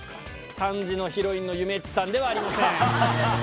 ３時のヒロインのゆめっちさんではありません。